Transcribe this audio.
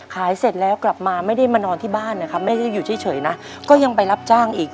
เสร็จแล้วกลับมาไม่ได้มานอนที่บ้านนะครับไม่ได้อยู่เฉยนะก็ยังไปรับจ้างอีก